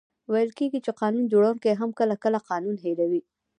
ویل کېږي چي قانون جوړونکې هم کله، کله قانون هېروي.